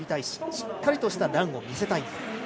しっかりとしたランを見せたい。